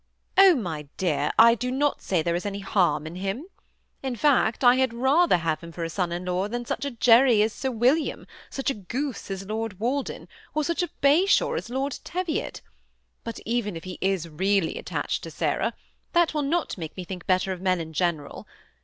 ^ Oh ! my dear, I do not say there is any harm in him. In fact, I had rather have him for a son in law than such a Jerry as Sir William, such a goose as Lord Walden, or such a bashaw as Lord Teviot ; but even if he is really attached to Sarah, that will not make me think better of men in general.